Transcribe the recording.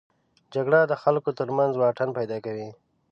جګړه د خلکو تر منځ واټن پیدا کوي